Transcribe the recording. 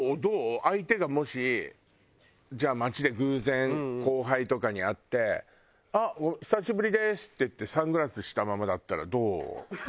相手がもしじゃあ街で偶然後輩とかに会って「あっお久しぶりです」って言ってサングラスしたままだったらどう？